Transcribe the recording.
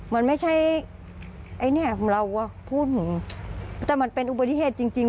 มันไม่ใช่ไอ้เนี่ยเราก็พูดแต่มันเป็นอุบัติเหตุจริงจริง